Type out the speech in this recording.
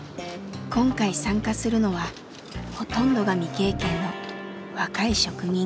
今回参加するのはほとんどが未経験の若い職人。